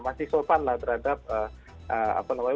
masih sopan lah terhadap apa namanya